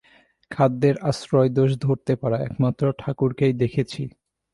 খাদ্যের আশ্রয়দোষ ধরতে পারা একমাত্র ঠাকুরকেই দেখেছি।